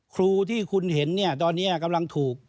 ครูที่คุณเห็นเนี่ยตอนนี้กำลังถูก